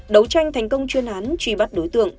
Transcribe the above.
đấu tranh thành công chuyên án truy bắt đối tượng